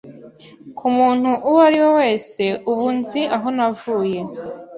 ku muntu uwo ari we wese, ubu nzi aho navuye